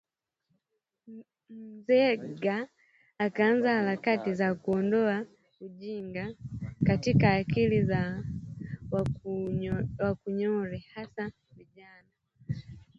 Nzenga akaanza harakati za kuuondoa ujinga katika akili za wa Konyole hasa vijana